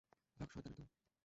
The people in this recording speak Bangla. ভাগ, শয়তানের দল!